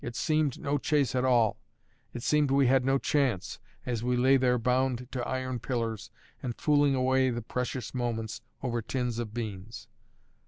It seemed no chase at all; it seemed we had no chance, as we lay there bound to iron pillars, and fooling away the precious moments over tins of beans.